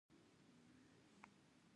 هندوکش د ناحیو ترمنځ تفاوتونه راولي.